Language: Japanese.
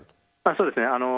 そうです。